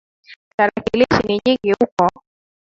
Tarakilishi ni nyingi huko